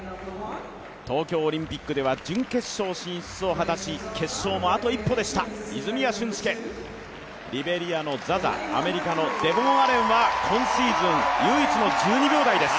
東京オリンピックでは準決勝進出を果たし、決勝もあと一歩でした、泉谷駿介リベリアのザザ、アメリカのアレンは今シーズン唯一の１２秒台です。